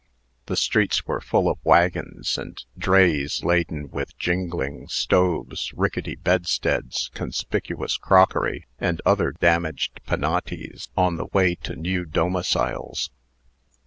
The streets were full of wagons and drays laden with jingling stoves, rickety bedsteads, conspicuous crockery, and other damaged Penates, on the way to new domiciles.